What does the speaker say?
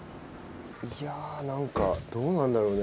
いや何かどうなんだろうね。